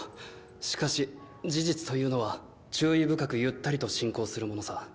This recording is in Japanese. しかし事実というのは注意深くゆったりと進行するものさ。